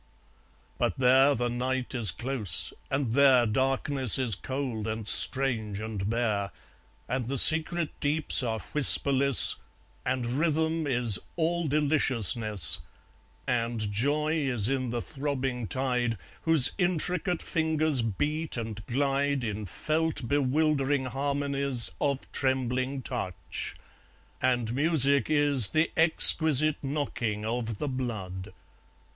But there the night is close, and there Darkness is cold and strange and bare; And the secret deeps are whisperless; And rhythm is all deliciousness; And joy is in the throbbing tide, Whose intricate fingers beat and glide In felt bewildering harmonies Of trembling touch; and music is The exquisite knocking of the blood.